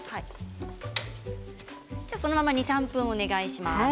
そのまま２、３分お願いします。